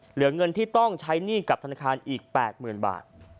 เหลือเงินที่ต้องใช้หนี้กับธนาคารอีก๘๐๐๐บาท